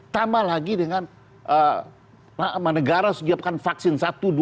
tambah lagi dengan negara sediakan vaksin satu dua tiga empat